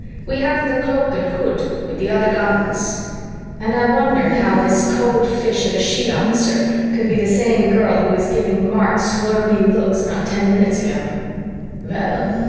We have the cloak and hood with the other garments," and I wondered how this cold fish of a she officer could be the same girl who was giving Mark slurpy looks not ten minutes ago. "Well?"